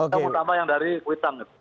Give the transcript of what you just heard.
kita mau tambah yang dari cuitang